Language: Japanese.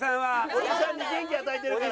オジさんに元気与えてるから。